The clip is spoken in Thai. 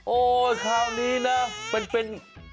คราวนี้นะเป็น